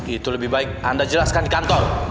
itu lebih baik anda jelaskan di kantor